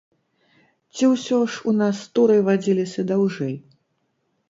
Ці ўсё ж у нас туры вадзіліся даўжэй?